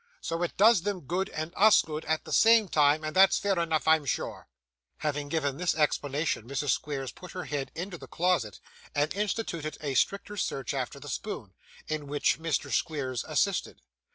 So, it does them good and us good at the same time, and that's fair enough I'm sure.' Having given this explanation, Mrs. Squeers put her head into the closet and instituted a stricter search after the spoon, in which Mr. Squeers assisted.